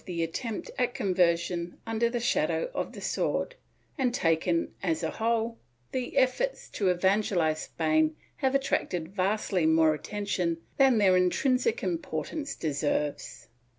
452 PROTESTANTISM [Book VIII attempt at conversion under the shadow of the sword and, taken as a whole, the efforts to evangeUze Spain have attracted vastly more attention than their intrinsic importance deserves.